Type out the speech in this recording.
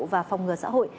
và phòng ngừa xã hội